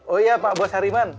oh iya pak bos hariman